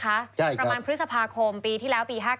ประมาณพฤษภาคมปีที่แล้วปี๕๙